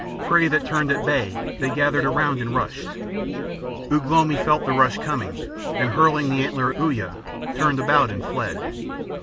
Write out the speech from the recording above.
Prey that turned at bay they gathered around and rushed. Ugh lomi felt the rush coming, and hurling the antler at Uya, turned about and fled.